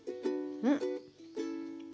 うん。